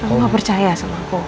kamu nggak percaya sama aku